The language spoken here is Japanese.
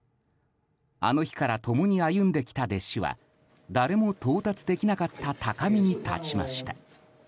あの日から共に歩んできた弟子は誰も到達できなかった高みに立ちました。